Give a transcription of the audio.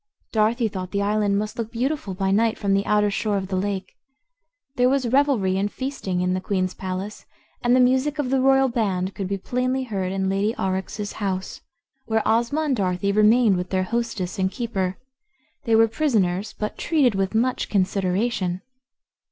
Dorothy thought the island must look beautiful by night from the outer shore of the lake. There was revelry and feasting in the Queen's palace, and the music of the royal band could be plainly heard in Lady Aurex's house, where Ozma and Dorothy remained with their hostess and keeper. They were prisoners, but treated with much consideration.